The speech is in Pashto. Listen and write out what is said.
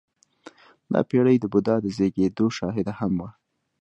• دا پېړۍ د بودا د زېږېدو شاهده هم وه.